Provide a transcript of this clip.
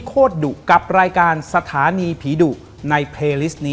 ขอบพระคุณค่ะ